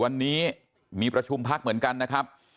วันนี้มีประชุมพักเหมือนกันนะครับ